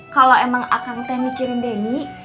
kalau emang akan teh mikirin denny